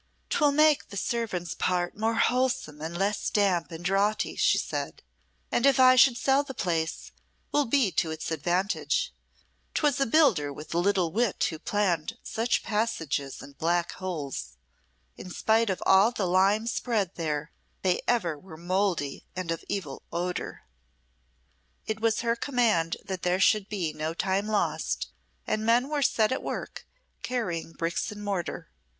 "'Twill make the servants' part more wholesome and less damp and draughty," she said; "and if I should sell the place, will be to its advantage. 'Twas a builder with little wit who planned such passages and black holes. In spite of all the lime spread there, they were ever mouldy and of evil odour." It was her command that there should be no time lost, and men were set at work, carrying bricks and mortar.